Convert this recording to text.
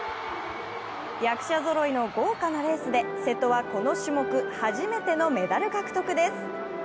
役者ぞろいの豪華なレースで瀬戸はこの種目初めてのメダル獲得です。